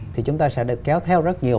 thì chúng ta sẽ được kéo theo rất nhiều